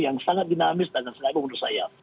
yang sangat dinamis dan sangat hebat menurut saya